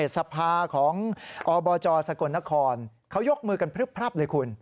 สภาของอบจสกลนครเขายกมือกันพลึบพลับเลยคุณ